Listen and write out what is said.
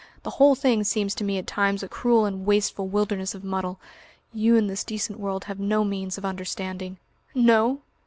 The whole thing seems to me at times a cruel and wasteful wilderness of muddle. You in this decent world have no means of understanding " "No?"